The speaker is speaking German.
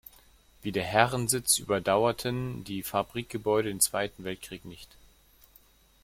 Wie der Herrensitz überdauerten die Fabrikgebäude den Zweiten Weltkrieg nicht.